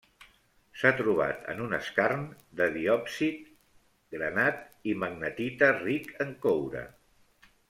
S'ha trobat en un skarn de diòpsid, granat i magnetita ric en coure.